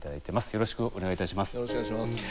よろしくお願いします。